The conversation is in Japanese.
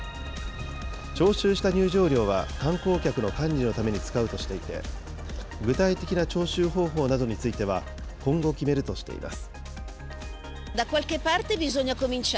徴収した入場料は観光客の管理のために使うとしていて、具体的な徴収方法などについては、今後決めるとしています。